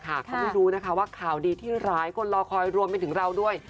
เขาไม่รู้นะคะว่าข่าวดีที่หลายคนรอคอยรวมไปถึงเราด้วย